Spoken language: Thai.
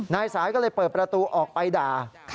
นายสายก็เลยเปิดประตูออกไปด่า